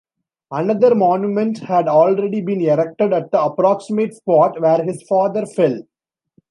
Another monument had already been erected at the approximate spot where his father fell.